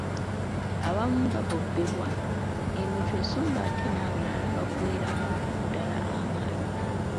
Abamu babobbebwa emitwe so ng'ate n'abalala baggweeramu ddala amaanyi.